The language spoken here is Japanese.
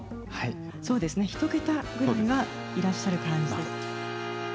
そうですね１桁ぐらいはいらっしゃる感じです。